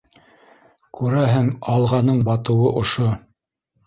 Күрәһең, «Алға»ның батыуы ошо.